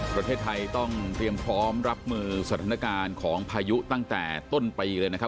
ประเทศไทยต้องเตรียมพร้อมรับมือสถานการณ์ของพายุตั้งแต่ต้นปีเลยนะครับ